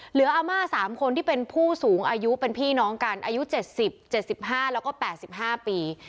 อาม่า๓คนที่เป็นผู้สูงอายุเป็นพี่น้องกันอายุ๗๐๗๕แล้วก็๘๕ปี